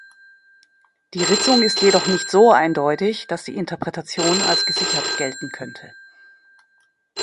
Die Ritzung ist jedoch nicht so eindeutig, dass die Interpretation als gesichert gelten könnte.